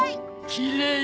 きれい。